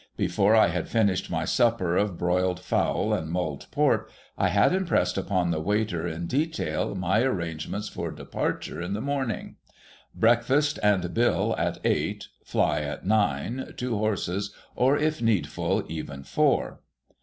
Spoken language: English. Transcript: Before I had finished my supper of broiled fowl and mulled port, I had impressed upon the waiter in detail my arrangements for departure in the morning. Breakfast and bill at eight. Fly at nine. Two horses, or, if needful, even four.